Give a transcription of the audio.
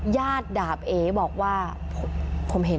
ญาติดาบเอ๋บอกว่าผมเห็น